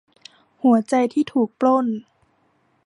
หัวใจที่ถูกปล้น